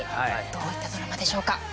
どういったドラマでしょうか？